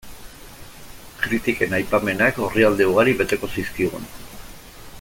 Kritiken aipamenak orrialde ugari beteko zizkigun.